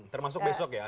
termasuk besok ya